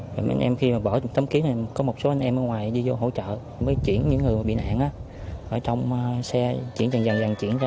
rồi mình em khi mà bỏ tấm kiến thì có một số anh em ở ngoài đi vô hỗ trợ mới chuyển những người bị nạn á ở trong xe chuyển dần dần dần chuyển ra